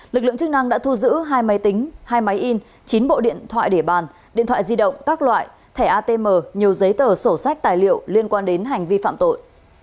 lực lượng chức năng đã thu giữ hai máy tính hai máy in chín bộ điện thoại để bàn điện thoại di động các loại thẻ atm nhiều giấy tờ sổ sách tài liệu liên quan đến hành vi phạm tội